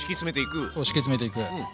そう敷き詰めていく！